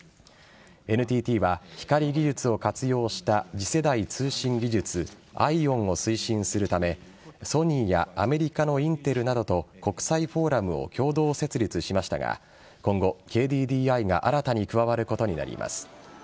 ＮＴＴは光技術を活用した次世代通信技術ＩＯＷＮを推進するためソニーやアメリカのインテルなどと国際フォーラムを共同設立しましたが今後、ＫＤＤＩが新たに加わることになります。